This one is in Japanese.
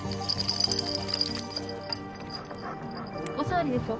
お座りでしょ。